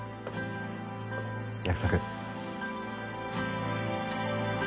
約束。